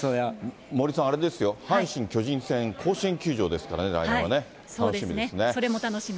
森さん、あれですよ、阪神・巨人戦、甲子園球場ですからね、来年はね、それも楽しみ。